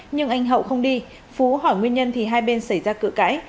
nhưng anh hậu không đi phú hỏi nguyên nhân thì hai bên xảy ra cự cãi